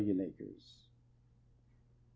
Acres. .